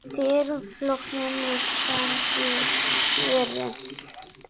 Selektearje folgjende tsien wurden.